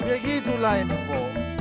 begitulah ya ibu